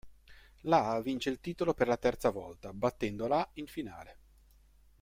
La vince il titolo per la terza volta battendo la in finale.